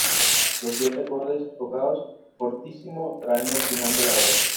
Los siete acordes tocados "fortissimo" traen el final de la obra.